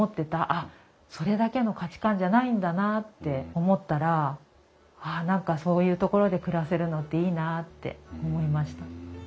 あっそれだけの価値観じゃないんだなって思ったらああ何かそういうところで暮らせるのっていいなって思いました。